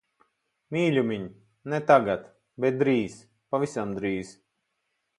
Mīļumiņ, ne tagad. Bet drīz, pavisam drīz.